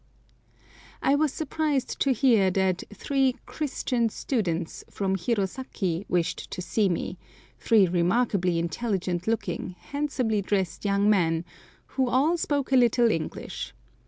I was surprised to hear that three "Christian students" from Hirosaki wished to see me—three remarkably intelligent looking, handsomely dressed young men, who all spoke a little English.